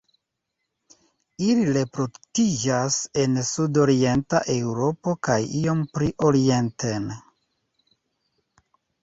Ili reproduktiĝas en sudorienta Eŭropo kaj iom pli orienten.